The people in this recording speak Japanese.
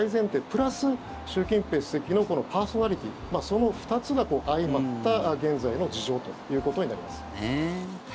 プラス習近平主席のパーソナリティーその２つが相まった現在の事情ということになります。